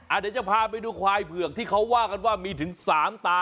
เดี๋ยวจะพาไปดูควายเผือกที่เขาว่ากันว่ามีถึงสามตา